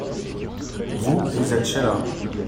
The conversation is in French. Vous, vous êtes Sheila.